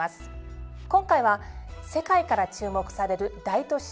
今回は世界から注目される大都市